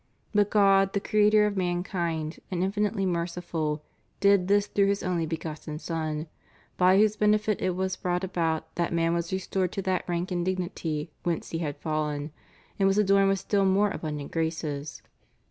But God, the Creator of mankind and infinitely merciful, did this through His only begotten Son, by whose benefit it was brought about that man was restored to that rank and dignity whence he had fallen, and was adorned with still more abundant graces.